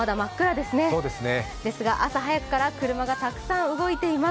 ですが朝早くから車がたくさん動いています。